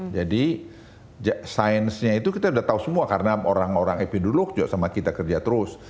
jadi science nya itu kita udah tahu semua karena orang orang epiduruk juga sama kita kerja terus